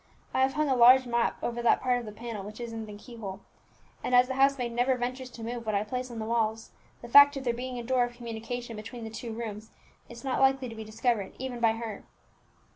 I have hung a large map over that part of the panel in which is the key hole; and as the housemaid never ventures to move what I place on the walls, the fact of there being a door of communication between the two rooms is not likely to be discovered even by her."